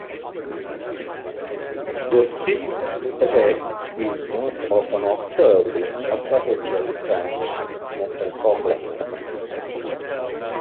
The cis effect is most often observed in octahedral transition metal complexes.